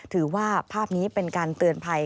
ถือว่าภาพนี้เป็นการเตือนภัย